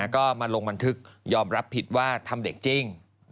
ก็มาลงบันทึกยอมรับผิดว่าทำเด็กจริง